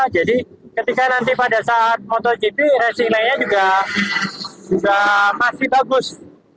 jadi ketika nanti pada saat motogp racing line nya juga masih bagus